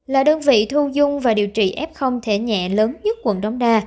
là đơn vị thu dung và điều trị f thể nhẹ lớn nhất quận đống đa